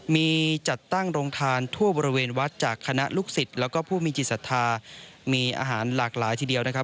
มีจัดตั้งโรงทานทั่วบริเวณวัดจากคณะลูกศิษย์แล้วก็ผู้มีจิตศรัทธามีอาหารหลากหลายทีเดียวนะครับ